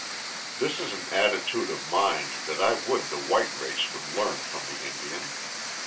This is an attitude of mind that I would the white race would learn from the Indian.